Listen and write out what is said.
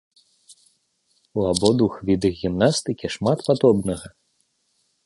У абодвух відах гімнастыкі шмат падобнага.